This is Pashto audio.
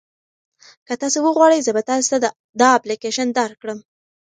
که تاسي وغواړئ زه به تاسي ته دا اپلیکیشن درکړم.